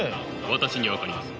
私には分かります。